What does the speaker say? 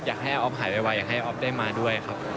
อยากให้ออฟหายไวอยากให้ออฟได้มาด้วยครับ